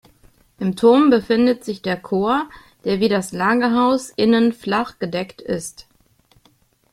Im Turm befindet sich der Chor, der wie das Langhaus innen flachgedeckt ist.